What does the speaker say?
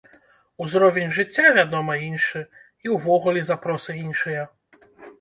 Узровень жыцця, вядома, іншы, і ўвогуле запросы іншыя.